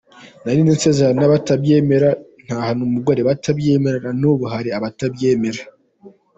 Narinze nsezerana batabyemera, ntahana umugore batabyemera n’ubu hari abatarabyemera.